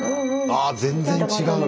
あ全然違う。